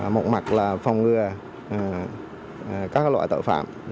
một mặt là phòng ngừa các loại tội phạm